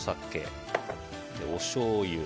おしょうゆ。